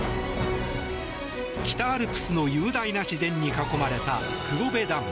北アルプスの雄大な自然に囲まれた黒部ダム。